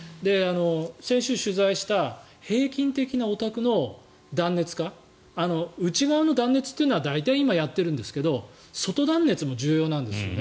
先週取材した平均的なお宅の断熱化内側の断熱というのは大体、今、やってるんですけど外断熱も重要なんですよね。